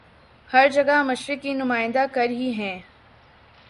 ہر جگہ مشرق کی نمائندہ کرہی ہیں